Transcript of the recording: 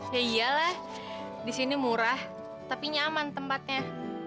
ya iyalah di sini murah tapi nyaman tempatnya